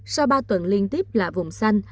sau ba tuần liên tiếp lạ vùng xanh